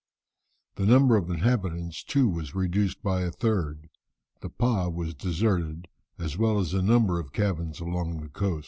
The number of inhabitants, too, was reduced by a third, the "pah" was deserted, as well as a number of cabins along the coast.